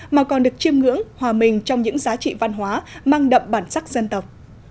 mà còn được chiêm ngưỡng hòa mình trong những giá trị văn hóa mang đậm bản sắc dân tộc